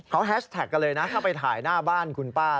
เขาแฮชแท็กกันเลยนะถ้าไปถ่ายหน้าบ้านคุณป้า